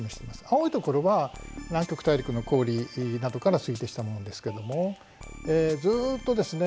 青いところは南極大陸の氷などから推定したものですけどもずっとですね